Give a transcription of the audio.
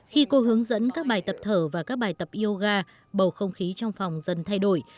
khi cô hướng dẫn các bài tập thở và các bài tập yoga bầu không khí trong phòng dần thay đổi